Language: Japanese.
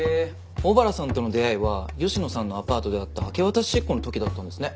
小原さんとの出会いは吉野さんのアパートであった明け渡し執行の時だったんですね。